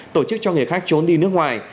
tổ chức cho người khác trốn đi nước ngoài